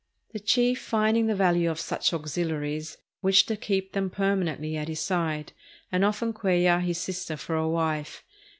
The chief, finding the value of such auxiliaries, wished to keep them permanently at his side, and offered Cuel lar his sister for a wife.